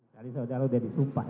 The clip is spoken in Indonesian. jadi saudara udah disumpah ya